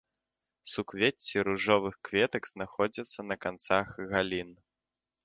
Суквецці ружовых кветак знаходзяцца на канцах галін.